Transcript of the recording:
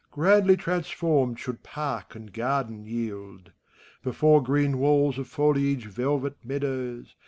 Grandly transformed, should park and garden yield. Before green walls of foliage velvet meadows.